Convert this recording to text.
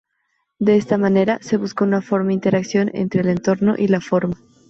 De esta manera, se buscó una interacción entre el entorno y la forma.